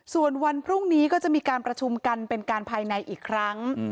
ส่วนวันพรุ่งนี้ก็จะมีการประชุมกันเป็นการภายในอีกครั้ง